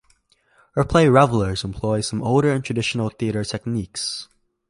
Her play "Revelers" employs some older and traditional theatre techniques.